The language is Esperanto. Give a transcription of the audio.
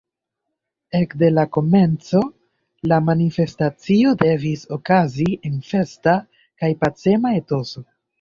Ekde la komenco, la manifestacio devis okazi en festa kaj pacema etoso.